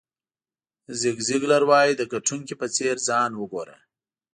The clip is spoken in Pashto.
زیګ زیګلر وایي د ګټونکي په څېر ځان وګوره.